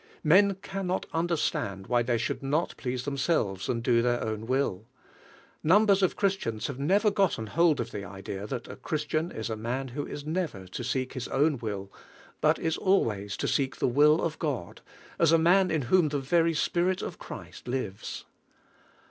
Men can not understand why they should not please themselves and do their own will. Numbers of Christians have never gotten hold of the idea that a Christian is a man who is never to seek his own will, but is always to seek the will of God, as a man in whom the very spirit of Christ lives.